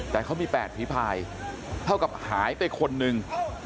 แต่เขามี๘ฝีพายเท่ากับหายไปคนนึง